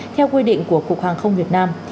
theo quy định của cục hàng không việt nam